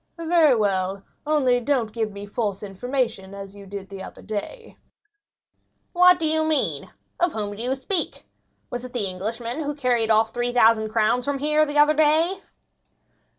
"Very well, only do not give me false information as you did the other day." "What do you mean?—of whom do you speak? Was it the Englishman who carried off 3,000 crowns from here the other day?"